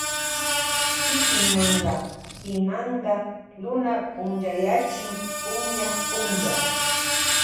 Kikinmada pimanda luna punchayachin punllak punllak.